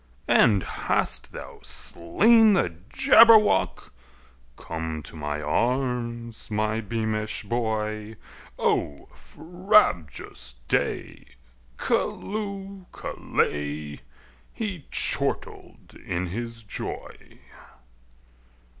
"And hast thou slain the Jabberwock? Come to my arms, my beamish boy! O frabjous day! Callooh! Callay!" He chortled in his joy.